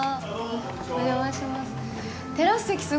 お邪魔します。